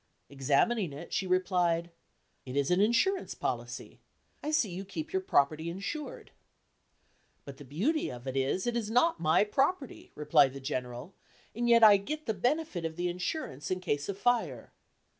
Examining it, she replied, "It is an insurance policy. I see you keep your property insured." "But the beauty of it is, it is not my property," replied the General, "and yet I get the benefit of the insurance in case of fire.